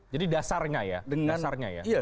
jadi dasarnya ya